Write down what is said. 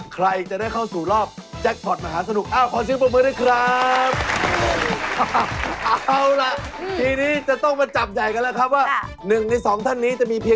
ใครได้รถมหาสนุกเขาจะตอบเลย